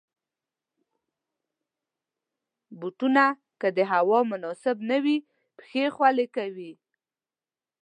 بوټونه که د هوا مناسب نه وي، پښې خولې کوي.